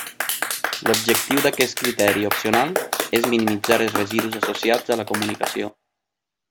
L'objectiu d'aquest criteri opcional és minimitzar els residus associats a la comunicació.